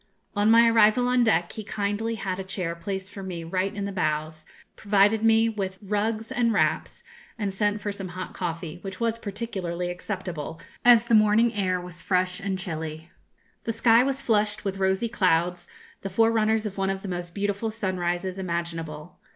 On my arrival on deck he kindly had a chair placed for me right in the bows, provided me with rugs and wraps, and sent for some hot coffee, which was particularly acceptable, as the morning air was fresh and chilly. The sky was flushed with rosy clouds, the forerunners of one of the most beautiful sunrises imaginable.